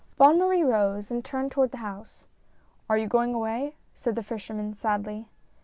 Bonne Marie rose, and turned toward the house. "Are you going away?" said the fisherman, sadly.